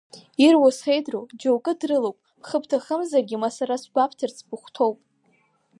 Ируа сеидру, џьоукы брылоуп, бхы бҭахымзаргьы, ма сара сгәабҭарц быхәҭоуп.